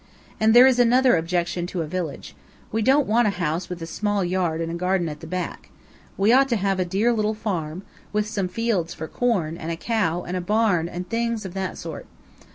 And there is another objection to a village. We don't want a house with a small yard and a garden at the back. We ought to have a dear little farm, with some fields for corn, and a cow, and a barn and things of that sort.